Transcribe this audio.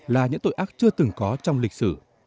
là những tội ác chưa từng có trong lịch sử